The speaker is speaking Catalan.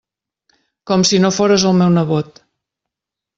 Com si no fores el meu nebot.